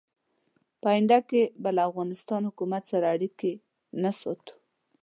په آینده کې به له افغانستان حکومت سره اړیکې نه ساتو.